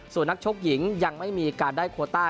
ส่วนนักชกหญิงยังไม่มีการได้โคต้า